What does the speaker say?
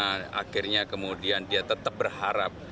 karena akhirnya kemudian dia tetap berharap